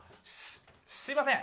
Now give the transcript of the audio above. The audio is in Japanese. すいません。